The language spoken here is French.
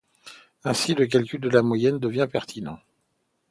Ainsi, le calcul de la moyenne devient pertinent.